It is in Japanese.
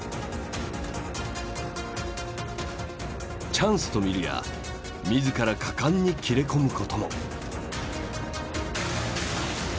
チャンスと見るや自ら果敢に切れ込むことも。